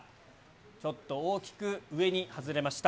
ちょっと大きく上に外れました。